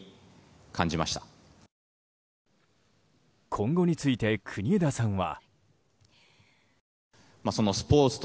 今後について国枝さんは。